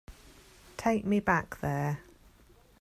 Take me back there.